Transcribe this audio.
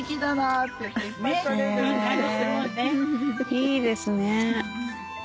いいですね。